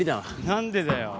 何でだよ？